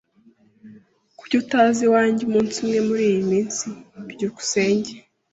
Kuki utaza iwanjye umunsi umwe muriyi minsi? byukusenge